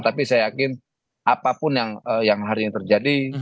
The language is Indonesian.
tapi saya yakin apapun yang hari ini terjadi